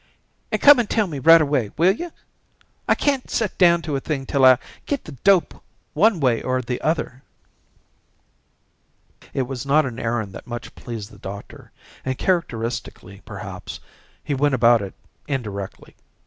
"And come and tell me right away, will you? I can't set down to a thing till I get the dope one way or the other." It was not an errand that much pleased the doctor, and, characteristically perhaps, he went about it indirectly.